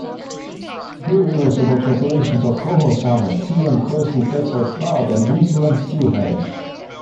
Grays River supports populations of coho salmon, sea-run coastal cutthroat trout, and winter-run steelhead.